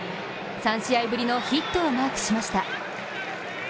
３試合ぶりのヒットをマークしました。